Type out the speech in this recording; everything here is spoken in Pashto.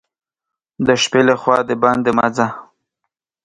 د شپې له خوا دباندي مه ځه !